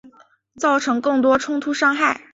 造成更多冲突伤害